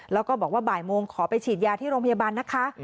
แล้วก็บอกว่าบ่ายโมงขอไปฉีดยาที่โรงพยาบาลนะคะ